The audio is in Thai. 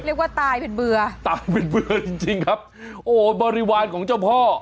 เรียกว่าตายเป็นเบื่อตายเป็นเบื่อจริงจริงครับโอ้บริวารของเจ้าพ่อ